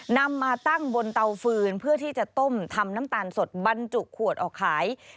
นำมาตั้งบนเตาฟืนเพื่อที่จะต้มทำน้ำตาลสดบรรจุขวดออกขาย